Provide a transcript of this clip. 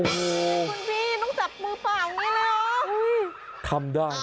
คุณพี่ต้องจับมือฝั่งนี้เลยหรอ